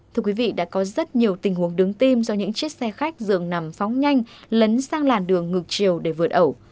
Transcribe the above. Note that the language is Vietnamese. thưa quý vị đã có rất nhiều tình huống đứng tim do những chiếc xe khách dường nằm phóng nhanh lấn sang làn đường ngược chiều để vượt ẩu